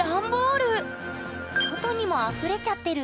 外にもあふれちゃってる！